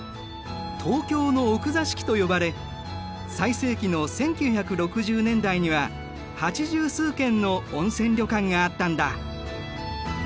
東京の奥座敷と呼ばれ最盛期の１９６０年代には八十数軒の温泉旅館があったんだ。